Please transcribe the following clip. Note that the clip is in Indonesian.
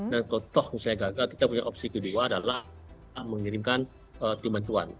dan kalau toh misalnya gagal kita punya opsi kedua adalah mengirimkan tim bantuan